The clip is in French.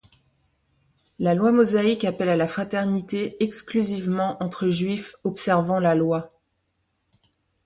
La loi mosaïque appelle à la fraternité exclusivement entre Juifs observant la loi.